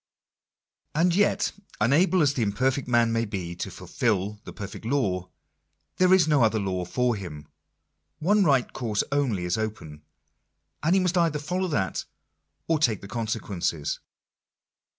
And yet, unable as the imperfect man may be to fulfil the perfect law, there is no other law for him. One right course only is open ; and he must either follow that or take the con sequences.